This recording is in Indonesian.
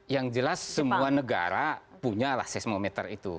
yang jelas semua negara punya lah seismometer itu